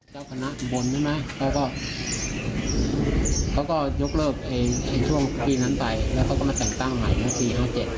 เจ้าคณะบนใช่ไหมเขาก็ยกเลิกช่วงปีนั้นไปแล้วเขาก็มาแต่งตั้งใหม่ปี๕๗